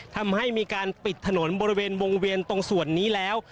ทำให้มีการปิดถนนบริเวณวงเวียนตรงส่วนนี้แล้ว